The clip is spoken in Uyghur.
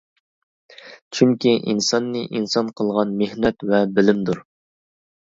چۈنكى ئىنساننى ئىنسان قىلغان مېھنەت ۋە بىلىمدۇر.